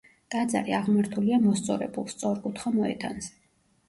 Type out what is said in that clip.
ტაძარი აღმართულია მოსწორებულ, სწორკუთხა მოედანზე.